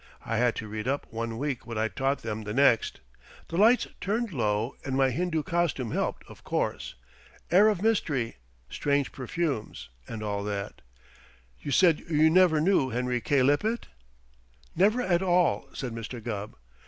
I had to read up one week what I taught them the next. The lights turned low and my Hindoo costume helped, of course. Air of mystery, strange perfumes, and all that. You said you never knew Henry K. Lippett?" "Never at all," said Mr. Gubb.